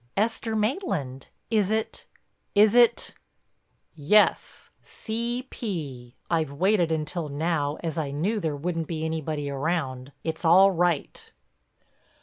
"Esther Maitland. Is it—is it?" "Yes—C. P. I've waited until now as I knew there wouldn't be anybody around. It's all right."